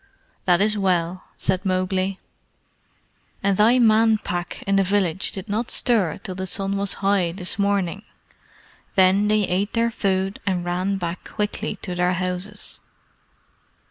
"That is well," said Mowgli. "And thy Man Pack in the village did not stir till the sun was high this morning. Then they ate their food and ran back quickly to their houses."